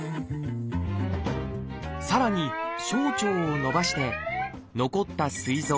さらに小腸を伸ばして残ったすい臓